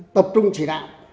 tập trung chỉ đạo